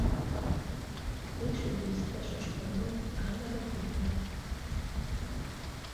Végső győztes a spanyol Álvaro Pino lett.